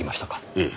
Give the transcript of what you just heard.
ええ。